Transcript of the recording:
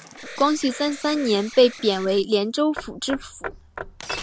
光绪三十三年被贬为廉州府知府。